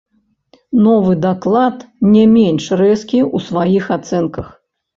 Новы даклад не менш рэзкі ў сваіх ацэнках.